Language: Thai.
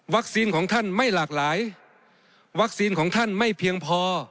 ของท่านไม่หลากหลายวัคซีนของท่านไม่เพียงพอ